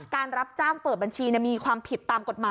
รับจ้างเปิดบัญชีมีความผิดตามกฎหมาย